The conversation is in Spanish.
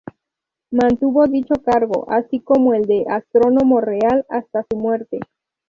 Mantuvo dicho cargo, así como el de "Astrónomo Real", hasta su muerte.